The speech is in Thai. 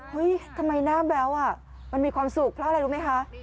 ทำไมหน้าแบ๊วมันมีความสุขเพราะอะไรรู้ไหมคะ